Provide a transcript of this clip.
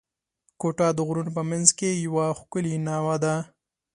کوټه د غرونو په منځ کښي یوه ښکلې ناوه ده.